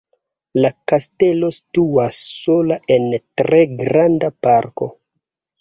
La kastelo situas sola en tre granda parko.